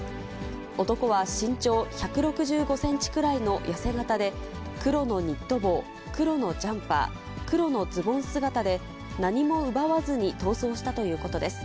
男は身長１６５センチくらいの痩せ形で、黒のニット帽、黒のジャンパー、黒のズボン姿で、何も奪わずに逃走したということです。